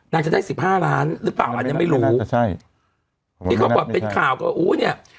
จะได้สิบห้าล้านหรือเปล่าอันนี้ไม่รู้ใช่ที่เขาบอกเป็นข่าวก็อู้เนี้ย